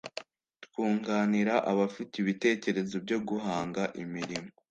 twunganira abafite ibitekerezo byo guhanga imirimo